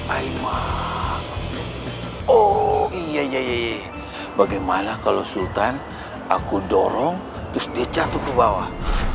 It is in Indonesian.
ahmad oh iya iya bagaimana kalau sultan aku dorong terus dia jatuh kebawah